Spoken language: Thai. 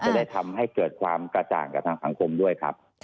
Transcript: จะได้ทำให้เกิดความกระจ่างกับทางสังคมด้วยครับ